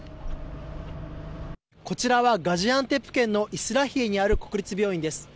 こちらはガジアンテプ県のイスラヒエにある国立病院です。